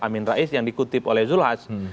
amin rais yang dikutip oleh zulhas